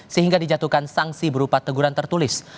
sehingga dijatuhkan sanksi berupa teguran tertulis